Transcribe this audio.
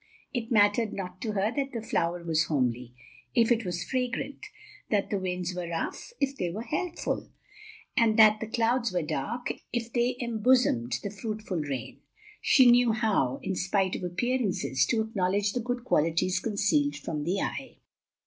It mattered not to her that the flower was homely, if it was fragrant that the winds were rough, if they were healthful and that the clouds were dark, if they embosomed the fruitful rain; she knew how, in spite of appearances, to acknowledge the good qualities concealed from the eye.